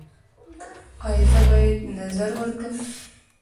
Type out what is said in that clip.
ایا زه باید نذر ورکړم؟